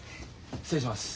失礼します。